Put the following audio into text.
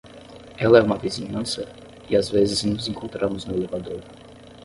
Ela é uma vizinhança? e às vezes nos encontramos no elevador.